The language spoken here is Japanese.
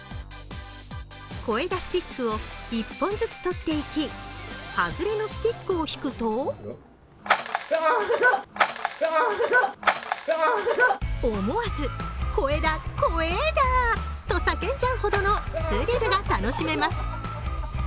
小枝スティックを１本ずつ取っていき、外れのスティックを引くと思わず小枝こえだと叫んでしまうほどのスリルが楽しめます。